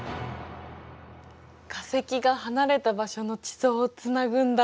化石が離れた場所の地層をつなぐんだ。